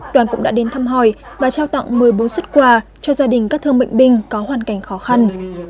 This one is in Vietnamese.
đoàn cũng đã đến thăm hỏi và trao tặng một mươi bốn xuất quà cho gia đình các thương bệnh binh có hoàn cảnh khó khăn